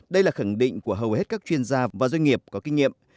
đây là khẳng định của hầu hết các chuyên gia và doanh nghiệp có kinh nghiệm